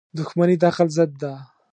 • دښمني د عقل ضد ده.